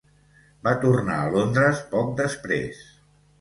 Va tornar a Londres poc després.